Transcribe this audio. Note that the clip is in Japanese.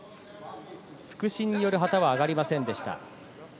副審による旗が上がりませんでした。